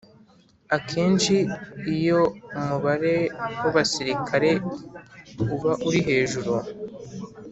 Akenshi iyo umubare w abasirikari uba uri hejuru